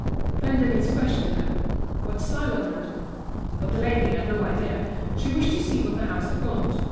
Then Denise questioned her. What style of mantle? But the lady had no idea, she wished to see what the house had got.